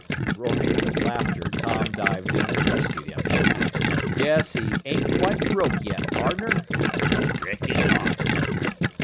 Roaring with laughter, Tom dived in and rescued him. "Guess he ain't quite broke yet, pardner!" "Reckon not."